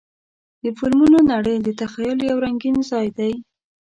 د فلمونو نړۍ د تخیل یو رنګین ځای دی.